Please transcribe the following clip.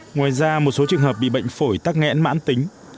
ngoài ra một số trường hợp bị bệnh phổi tắc nghẽn mãn tính